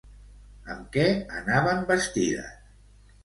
Amb què anaven vestides?